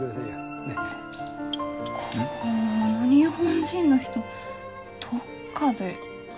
この日本人の人どっかで。